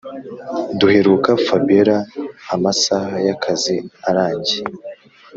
duheruka fabiora amasaha yakazi arangiye